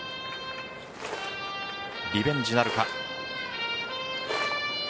リベンジなるか。